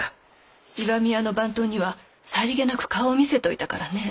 石見屋の番頭にはさりげなく顔を見せといたからね。